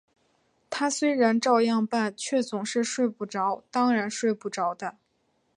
他虽然照样办，却总是睡不着，当然睡不着的